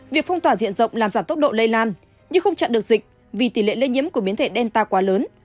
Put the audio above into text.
việc phong tỏa diện rộng làm giảm tốc độ lây lan nhưng không chặn được dịch vì tỷ lệ lây nhiễm của biến thể đen ta quá lớn